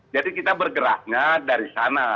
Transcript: jadi kita bergeraknya dari sana